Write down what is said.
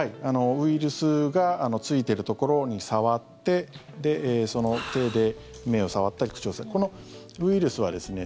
ウイルスがついてるところに触ってその手で目を触ったり、口をこのウイルスはですね